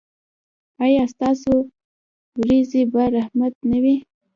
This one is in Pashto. ایا ستاسو ورېځې به رحمت نه وي؟